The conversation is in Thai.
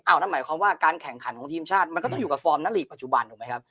นั่นหมายความว่าการแข่งขันของทีมชาติมันก็ต้องอยู่กับฟอร์มณีกปัจจุบันถูกไหมครับ